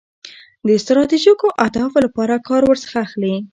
د ستراتیژیکو اهدافو لپاره کار ورڅخه اخلي.